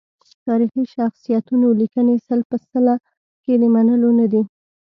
تاریخي شخصیتونو لیکنې سل په سل کې د منلو ندي.